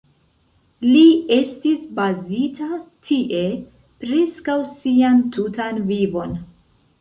Li estis bazita tie preskaŭ sian tutan vivon.